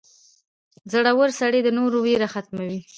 • زړور سړی د نورو ویره ختموي.